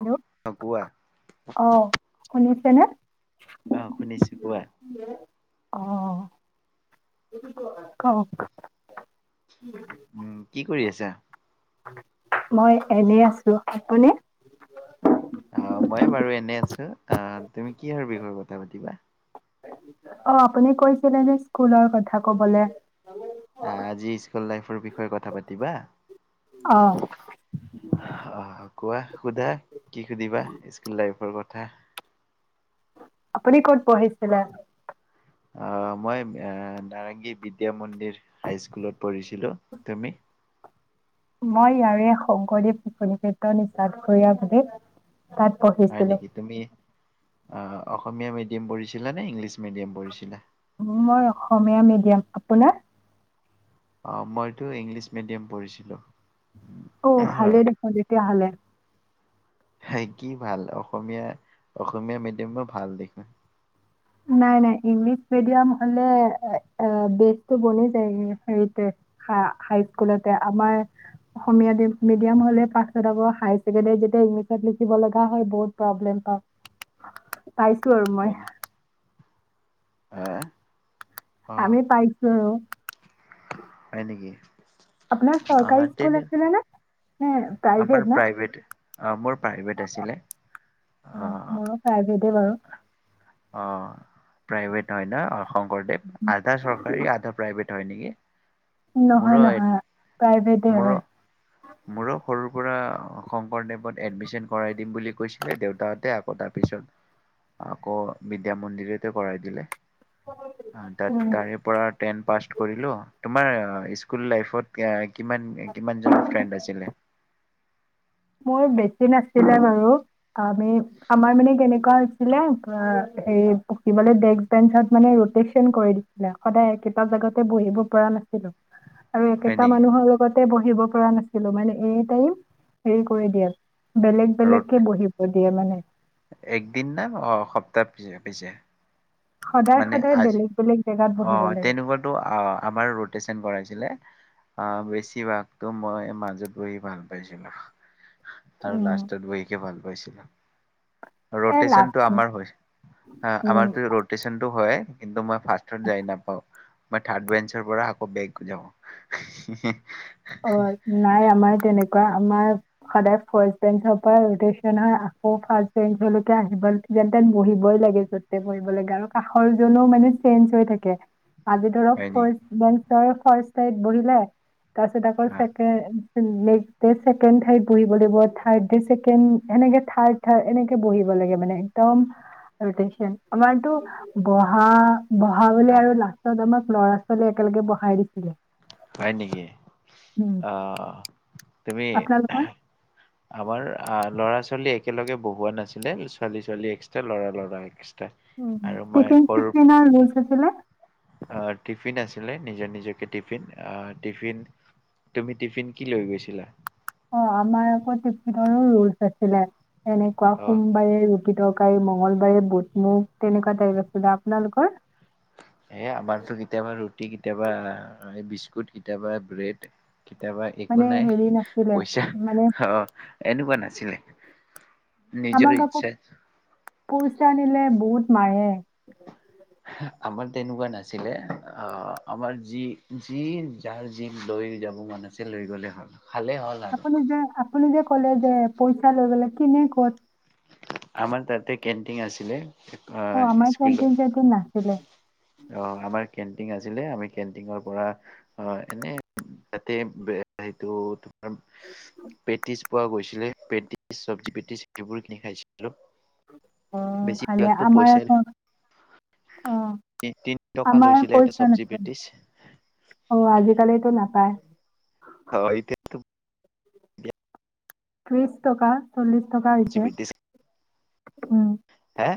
Hello অ কোৱা অহ শুনিছো কেনে অহ শুনিছো কোৱা অঁ কওঁক। উম কি কৰি আছা। মই এনে আছো আপুনি। অঁ মই বাৰু এনেই আছো অঁহ তুমি কিহৰ বিষয়ে কথা পাতিবা। অঁ আপুনি কৈছিলে যে স্কুলৰ কথা কবলে আজি স্কুল লাইফ বিষয়ে কথা পাতিবা অহ আহ কোৱা শুধা কি সুধিবা স্কুল লাইফৰ কথা? আপুনি ক'ত পঢ়িছিলে? অহ মই নাৰেংগী বিদ্যা মন্দিৰ হাইস্কুলত পঢ়িছিলো। তুমি? মই ইয়াৰে শংকৰদেৱ শিশু নিকেতন নিচাত কৰা তাতে। তাত পঢ়িছিলোঁ। অ অসমীয়া মিডিয়াম পঢ়িছিলা নে ইংলিছ মিডিয়াম পঢ়িছিলা? মই অসমীয়া মিডিয়াম। আপোনাৰ? অ মইতো ইংলিছ মিডিয়াম পঢ়িছিলো? অ ভালে দেখোন তেতিয়াাহ'লে সেত কি ভাল অসমীয়া, অসমীয়া মিডিয়ামো ভাল দেখোন। নাই নাই ইংলিছ মিডিয়াম হলে বেছি বনি যায়, হেৰিতে হাইস্কুলতে আমাৰ অসমীয়া মিডিয়াম হলে পাছত আকৌ হায়াৰ ছেকেণ্ডাৰীত যেতিয়া ইংলিছত লিখিব লগা হয় বহুত প্ৰব্লেম হয়। পাইছোঁ আৰু মই। হয় নে আহ অ আমি পাইছো আৰু, হয় নেকি আপোনাৰ অ চৰকাৰী তেনে স্কুল আছিলে নে? নে প্ৰাইভেট ন? অ মোৰ প্ৰাইভেট আছিলে আহ অঁ মোৰো প্ৰাইভেটেই বাৰু আহ আহ প্ৰাইভেট হয় ন অ শংকৰদেৱ আধা চৰকাৰী আধা প্ৰাইভেট। হয় নেকি নহয় মোৰো নহয় প্ৰাইভেটেই মোৰো হয় মোৰো সৰুৰ পৰা শংকৰদেৱত এডমিচন কৰাই দিম বুলি কৈছিলে, দেউতাহঁতে আকৌ তাৰ পিছত আকৌ বিদ্যা মন্দিৰতে কৰাই দিলে। তাত হয় তাৰে পৰা টেন পাজ। কৰিলো তোমাৰ স্কুল লাইফত কিমান কিমান জন পাইছিলে। মোৰ বেছি নাছিলে বাৰু, আমি আমাৰ মানে কেনেকুৱা হৈছিলে পঢ়িবলে ডেস্ক বেঞ্চত মানে ৰটেচন কৰি দিছিলে সদায় একেইটা জাগাতে বহিব পৰা নাছিলো। আৰু হয় একেটা নেকি মানুহৰ লগতে বহিম দিব পৰা নাছিলো মানে এ টাইম হেৰি কৰি দিয়াত বেলেগ ৰ'দ বেলেগকে বহিব দি দিয়ে মানে একদিন নে সপ্তাহ পিছে পিছে? সদায় মানে সদায় আজ বেলেগ বেলেগ জেগাত অ বহিব লাগে তেনেকুৱা আমাৰ ৰটেচন কৰাইছিলে। আহ বেছিভাগতো মই মাজত বহি ভাল পাইছিলো। আৰু লাষ্টত বহিকে ভাল পাইছোঁ। [inaudible] এই ৰটেচনটো লাষ্ট আমাৰ হয় আমাৰতো হয় কিন্তু মই ফাষ্ট‌ য'ত যায় নাপাওঁ মই থাৰ্ড বেঞ্চাৰ পৰা আকৌ বেগ যাওঁ হি হি হি অ নাই আমাৰ তেনেকুৱা আমাৰ সদায় ফাৰ্ষ্ট বেঞ্চৰ পৰা ৰটেশন হয় আকৌ ফাৰ্ষ্ট বেঞ্চ লৈকে আহিব যেনতেন বহিবই লাগে য'তে বহিব লাগে আৰু কাষৰ জনো মানে চেঞ্জ হৈ থাকে আজি ধৰক হয় নেকি ফাৰ্ষ্ট বেঞ্চ তই ফাৰ্ষ্টত বহিলে তাৰ পাছত আকৌ অ' চেকেণ্ড বহিব লাগিব চেকেণ্ড থাৰদ এনেকে বহিব লাগে মানে একদম এটেনচন আমাৰটো বহা বহা বুলি আৰু লাচট জনক ল'ৰা ছোৱালী একেলগে বঢ়ায় দিছিলে হয় নেকি উম, আহ তুমি আপোনালোকৰ? আমাৰ ল'ৰা ছোৱালী একেলগে বহোৱা নাছিলে ছোৱালী ছোৱালী এক্সট্ৰা ল'ৰা ল'ৰা এক্সট্ৰা উ আৰু মই টিফিন সৰু চিফিন লৈ থৈছিলা আহ টিফিন নিজৰ নিজকে টিফিন আহ টিফিন তুমি টিফিন কি লৈ গৈছিলা অ আমাৰ আকৌ টিফিনৰু ৰুলচ আছিলে এনেকুৱা অ' সোমবাৰে ৰু গীতৰকাৰী মঙগলবাৰে বুটমুগ তেনেকুৱা তাৰিখ আছিলো দা আপোনালোকৰ এ আমাৰতো কেতিয়াবা ৰুটি কেতিয়াবা এই বিস্কুট কেতিয়াবা ব্ৰেড কেতিয়াবা মানে একো নাই হেৰি নাছিলে মানে পইচা অ এনেকুৱা নাছিলে নিজৰ ইচ্ছা পইচানিলে বহুত মাৰে হ আমাৰ তেনেকুৱা নাছিলে আমাৰ যি যি যাৰ যি লৈ যাব মন আছে লৈ গ'লে হ'ল‌ আপুনি যে আপুনি যে ক'লে যে পইচা লৈ গলে কিনে ক'ত আমাৰ তাতে কেণ্টিন আছিলে অ আমাৰ স্কুলৰ কেণ্টিন চেণ্টিন নাছিলে অ আমাৰ কেন্টিন আছিলে আমি কেণ্টিনৰ পৰা এনে তাতে সেইটো‌ পেটিছ পোৱা গৈছিলে পেটিজ, চব্জি পেটিজ সেইবোৰ খিনি খাইছিল অহ ভালে আমাৰ পইচাই এখন অ তিনি টকা আমাৰ লৈছিলে এটা পইচা চব্জি নাছিল পেটিছ অ আজিকালটো নাপায় অ এতিয়াতো ত্ৰিশ টকা চল্লিছ টকা চব্জি হৈছে‌ পেটিছ উম‌ এ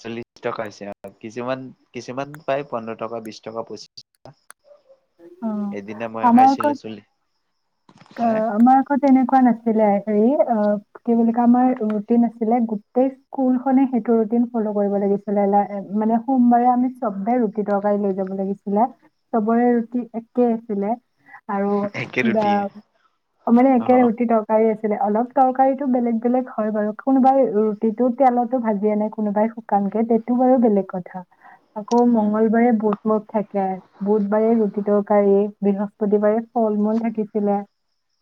চল্লিশ টকা হৈছে কিছুমান কিছুমান পাই পোন্ধৰ টকা, বিশ টকা, পঁচিশ টকা অ আমাৰ আক, খাইছিলো চলি অ হে আমাৰ আকত তেনেকুৱা নাছিল‌ ছিলে হেৰি অ কি বুলি কয় আমাৰ ৰুটিন আছিলে গোটেই স্কুল খনে সেইটো ৰুটিন ফল' কৰিব লাগিছিলে মানে সোমবাৰে আমি চবে ৰুটি তৰকাৰী লৈ যাব লাগিছিলে চবৰে ৰু টি একে আছিলে। আৰু একে ব ৰুটিয়ে অ মানে অহ একে ৰুটি তৰকাৰী আছে অলপ তৰকাৰীতো বেলেগ বেলেগ হয় বাৰু কোনোবাই ৰুটিটো তেলতো ভাজিয়ে আনে কোনোবাই শুকানকে সেটো বাৰু বেলেগ কথা আকৌ উম মঙগলবাৰে বুত মদ থাকে বুধবাৰে ৰুটি বৃহস্পতিবাৰে ফল মূল থাকিছিলে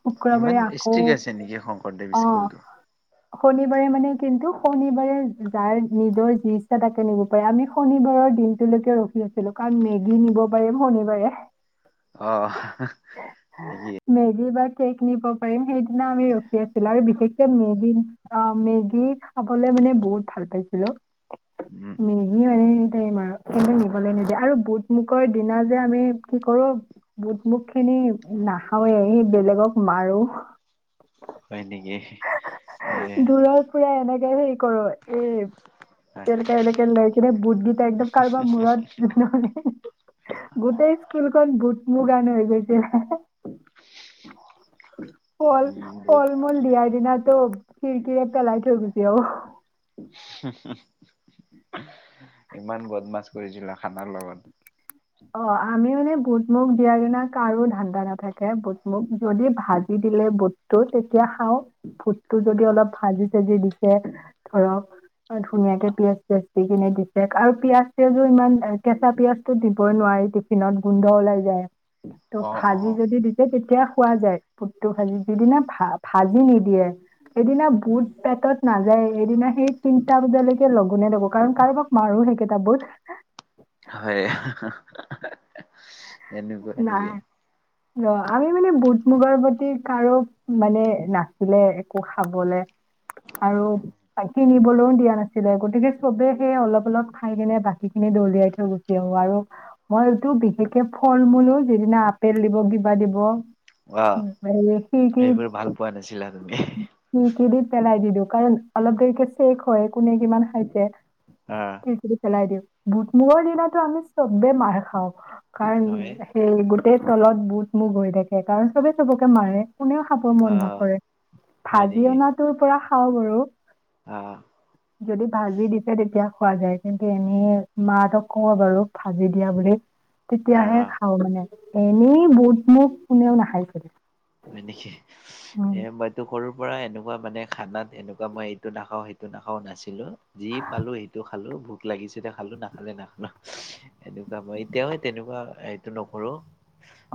শুক্ৰবাৰে ইমান আকৌ ষ্ট্ৰিক আছে নেকি শংকৰদেৱ স্কুলটো অহ শনিবাৰে মানে কিন্তু শনিবাৰে যাৰ নিজৰ যি ইচ্ছা তাকে নিব পাৰে আমি শনিবাৰৰ দিনটোলৈকে ৰখি আছিলো কাৰণ মেগী নিব পাৰিম শনিবাৰে। অ মেগি চেক নিব পাৰিম সেইটো সেই দিনা আমি ৰখি আছিলো আৰু বিশেষ কে মেগী অ মেগী খাবলে মানে বহুত ভাল পাইছিলো উম মেগি মানে পাৰিম আৰু এনে নিবলৈ নিদিয়ে আৰু বুটমুকৰৰ দিনা যে আমি কি কৰো বুট মুুখ খিনি নাখাওঁয়ে সেই বেলেগক মাৰো হয় নেকি এ [unintelligible] কৰো এ হয়। এনেকে এনেকে লৈ কিনে বুট কেইটা একদম কাৰোবাৰ মূৰত নহ'লে গোটেই খন বুট মো কানে হৈ গৈছে ফল উম বহুত ফল মূল দিয়াৰ দিনা টো খিৰিকিৰে পেলাই থৈ গোছি আহো ইমান বদমাছ কৰিছিলা খানাৰ লগত অ আমি মানে বুট মুগ দিয়াৰ দিনা কাৰো ধান্দা নাথাকে বুট মুগ যদি ভাজি দিলে বুটটো তেতিয়া খাওঁ তোৰ যদি অলপ ভাজি চাজি দিছে ধৰক ধুনীয়াকে পিয়াজ চিয়াজ টি কিনে দিছে আৰু পিয়াজ চিয়াজো ইমান কেঁচা পিয়াজো দি- দিব নোৱাৰি টিফিনত গোন্ধ ওলাই যায়। তো অ', ভাজি অ'। যদি দিছে তেতিয়া পোৱা যায় বুটটো ভাজি দিগিনে ভাজি নিদিয়ে। এদিনা বুট পেটত নাযায় এইদিনা সেই তিনটা বজালৈকে লগ গুনে দ'ব কাৰোবাক মাৰো সেইকেই টা বুট হয় এনেকুৱা হয় নেকি? অ আমি মানে বুট মুগৰ প্ৰতি কাৰো মানে নাছিলে একো খাবলে আৰু কিনবলৈও দিয়া নাছিলে গতিকে চবে সেই অলপ অলপ খাই কিনে বাকী খিনি দলিয়াই থৈ গুচি আহো আৰু মই এইটো বিশেষকে- ফল-মূলো যিদিনা আপেল দিব কিবা দিব। অ', খিৰকীত সেইবোৰ ভাল পোৱা নাছিলা তুমি? খিৰকীত দি পেলাই দিলোঁ। কাৰণ অলপ দেৰিকে চেক হয় কোনে কিমান খাইছে। অ', খিৰকী দি পেলাই দিওঁ। বুটমুগৰ দিনাতো আমি চবে মাৰ খাওঁ। হয় নি সেই গোটেই তলত বুট মুগ হৈ থাকে কাৰণ চবে চবকে মাৰে। কোনেও খাব মন অ', নকৰে হয় ভাজি অনাটোৰ পৰা খাওঁ বাৰু আহ্ যদি ভাজি দিছে তেতিয়া খোৱা যায় কিন্তু এনে মা হতক কওঁ বাৰু ভাজি দিয়া বুলি। তেতিয়াহে অ', খাওঁ মানে এনেই বুটমুগ কোনেও নাখায় চবে হয় নেকি এ মইটো সৰু পৰা এনেকুৱা মানে খানাত এনেকুৱা মই এইটো নাখাও সেইটো নাখাও নাছিলো। যি পালো সেইটো খা- খালো ভোক লাগিছে দে খালো নাখালে নাখাও, এনেকুৱা মই এতিয়াও তেনেকুৱা এইটো নকৰো।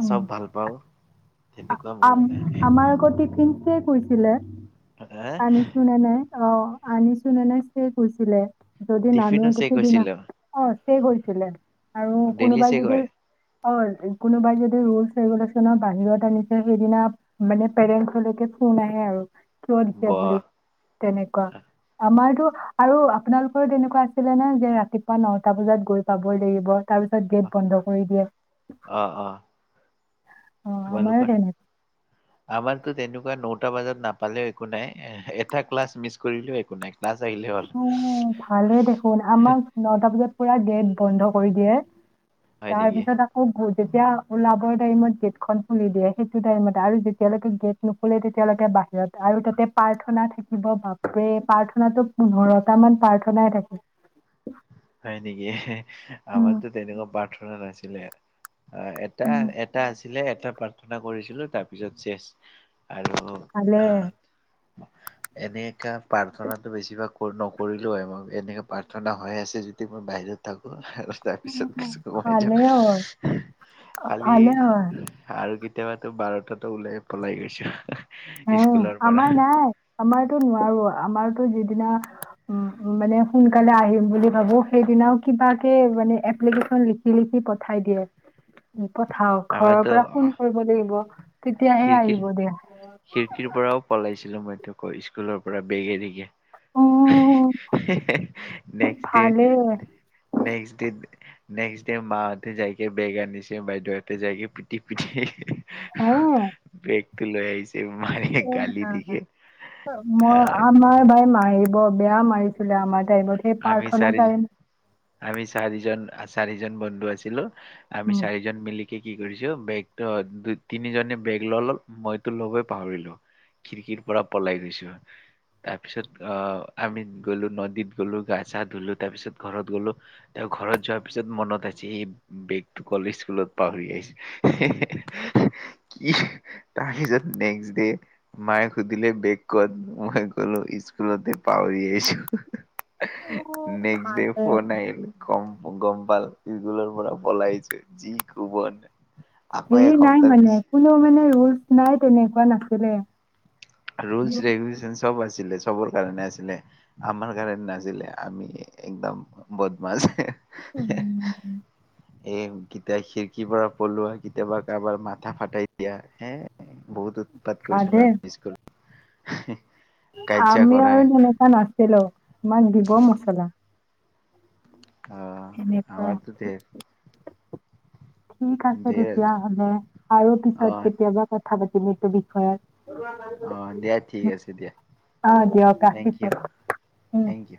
উম চব ভাল পাওঁ। তেনেকু আম আমাৰ আকৌ টিফিন চেক কৈছিলে আনিছোঁ নে নাই? অ আনিছো নে নাই চেক কৰি কৈছিলে। যদি নানো টিফিনো চেক কিছুদিনা হৈছিলো অ। সেই কৰিছিলে। আৰু ডেইলি কোনোবাই চেক যদি। হয়, কোনোবাই যদি ৰুলচ ৰেগুলেশ্যনৰ বাহিৰত। তাৰ মানে সেইদিনা মানে পেৰেন্টচলৈকে ফোন আহে আৰু। কিয় দিছে বুলি বাহ তেনেকুৱা, আমাৰো। আৰু আপোনালোকৰো তেনেকুৱা আছিলে নে যে ৰাতিপুৱা নটা বজাত গৈ পাব লাগিব। তাৰপিছত গেট বন্ধ কৰি দিয়ে। অ', অ', অ আমাৰো তোমালোকৰ, তেনেকুৱা আমাৰটো তেনে। কিবা নটা বজাত নাপালেও একো নাই এটা ক্লাছ মিছ কৰিলেও একো নাই। ক্লাছ আহিলে হ'ল উম ভালে দেখোন আমাক নটা বজাত। পুৰা গেট বন্ধ কৰি দিয়ে। হয় নেকি তাৰপিছত আকৌ বুজ। যেতিয়া ওলাবৰ টাইমত গেটখন খুলি দিয়ে সেইটো টাইমত আৰু যেতিয়ালৈকে গেট নোখোলে তেতিয়ালৈকে বাহিৰত আৰু তাতে প্ৰাৰ্থনা থাকিব বাফৰে প্ৰাৰ্থনাটো। পোন্ধৰটামান প্ৰাৰ্থনাই থাকে। হয় নেকি। উম, আমাৰটো তেনেকুৱা প্ৰাৰ্থনা নাছিলে। অ, এটা উম, এটা আছে। ছিলে এটা প্ৰাৰ্থনা কৰিছিলো তাৰপিছত চেচ। আৰু ভালে আহ, এনেকা। প্ৰাৰ্থনাটো বেছিভাগ নকৰিলেও হয় মই এনেকে প্ৰাৰ্থনা হৈ আছে যে। মই বাহিৰত থাকো। আৰু তাৰপিছত কিছু সোমাই ভালে যাব হয় খালি ভালে হয় আৰু কেতিয়াবাতো বাৰত। তাতো ওলাই পলাই গৈছো। হে, স্কুলৰ পৰা আমাৰ নাই আমাৰতো নোৱাৰো আমাৰতো। যিদিনা উম মানে সোনকালে আহিম বুলি ভাবো সেইদিনাও কিবাকে মানে এপ্লিকেচন লিখি লিখি পঠাই দিয়ে। পঠাও ঘৰৰ আমাৰতো পৰা ফোন কৰিব লাগিব। তেতিয়া হে খিৰিকীৰ আহিব, দিয়া। খিৰিকীৰ পৰাও পলাইছিলো মইতো আকৌ স্কুলৰ পৰা বেগে দেগে। হি অ', হি হি নেক্স ডে, ভালেই নেক্স ডে। নেক্সট ডে, মাহঁতে যাইকে বেগ আনিছে বাইদেউহঁতে যাইকে পিটি -পিটি। বেগ। বেগ লৈ আহিছে। মাৰে উ গালি দিকে মই আহ আমাৰ ভাই মায়ে ৰ বেয়া মাৰিছিলে আমাক। পঠিয়াই আমি প্ৰাৰ্থনা চাৰি টাইম। আমি চাৰিজন চাৰিজন বন্ধু আছিলো। আমি চাৰিজন মিলি কি কি কৰিছো বেগ ত দু তিনিজনে বেগ ল ললো মইতো ল'বই পাহৰিলো খিৰিকীৰ পৰা পলাই গৈছো, তাৰপিছত অ' আমি গলো নদীত গ'লো গা চা ধুলো তাৰ পিছত ঘৰত গ'লো তেওঁ ঘৰত যোৱাৰ পিছত মনত আছে এই বেগটো কলে স্কুলত পাহৰি আহিছো কি তাৰপিছত নেক্স দে মায়ে সুধিলে বেগ ক'ত মই কলো স্কুলতে পাহৰি আহিছো। নেক্সট ডে [unintelligible] ফোন আহিল কম গম পাল স্কুলৰ পৰা পলাইছো যি কুবন। সেয়ে নাই মানে কোনো মানে নাই তেনেকুৱা নাছিলে। ৰুলছ ৰেগুলচন সব আছিলে। চবৰ কাৰণে আছিলে আমাৰ কাৰণে নাছিলে আমি একদম বদমাছ। উম, এ, কেতিয়া খিৰিকীৰ পৰা পলোৱা কেতিয়াবা কাৰোবাৰ মাথা ফাটাই দিয়া হে বহুত উৎপাত ভালে কৰিছিলোঁ আমি স্কুলত। [inaudible] কাজিয়া আমি কৰা। আৰু তেনেকুৱা নাছিলো আমাক দিব এনেকুৱা মছলা। অহ এনেকুৱা। আমাৰতো ধেৰ ঠিক আছে তেতিয়া হ'লে আৰু পিছত অহ কেতিয়াবা কথা পাতি বিষয়ত অহ দিয়া ঠিক আছে দিয়া অ' দিয়ক থেংক ইউ ৰাখিছোঁ। Thank U.